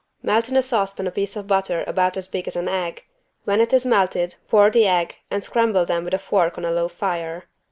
Melt in a saucepan a piece of butter about as big as an egg. When it is melted pour the egg and scramble them with a fork on a low fire.